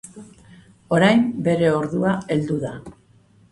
Orain, bere ordua heldu da.